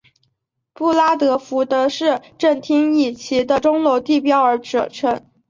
布拉德福德市政厅以其的钟楼地标而着称。